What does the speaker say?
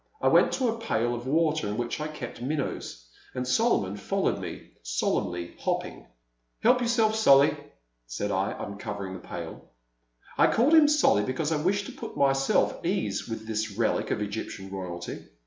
I went to a pail of water in which I kept minnows, and Solomon followed me, solemnly hopping. Help yourself, Solly," said I, uncovering the pail. I called him Solly because I wished to put my self at ease with this relic of Egyptian Royalty.